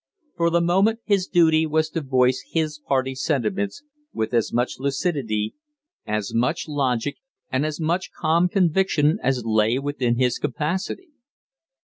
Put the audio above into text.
For the moment his duty was to voice his party sentiments with as much lucidity, as much logic, and as much calm conviction as lay within his capacity.